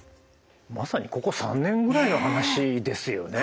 まさにここ３年ぐらいの話ですよね。